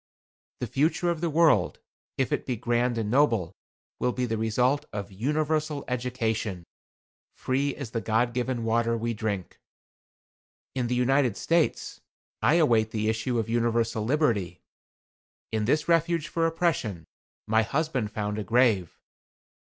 The future of the world, if it be grand and noble, will be the result of UNIVERSAL EDUCATION, FREE AS THE GOD GIVEN WATER WE DRINK. In the United States I await the issue of universal liberty. In this refuge for oppression, my husband found a grave.